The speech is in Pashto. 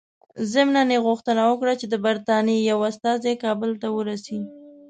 ضمناً یې غوښتنه وکړه چې د برټانیې یو استازی کابل ته ورسي.